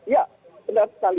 ya benar sekali